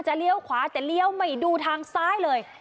เลี้ยวขวาแต่เลี้ยวไม่ดูทางซ้ายเลย